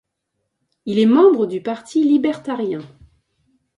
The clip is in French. Il est membre du Parti libertarien.